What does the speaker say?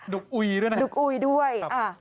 ดุกอุยด้วย